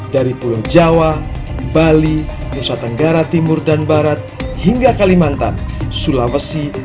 dari pulau jawa bali nusa tenggara timur dan barat hingga kalimantan sulawesi